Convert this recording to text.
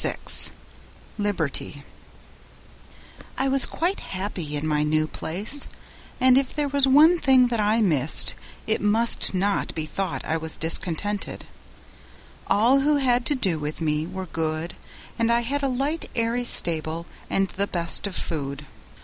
06 Liberty I was quite happy in my new place, and if there was one thing that I missed it must not be thought I was discontented; all who had to do with me were good and I had a light airy stable and the best of food.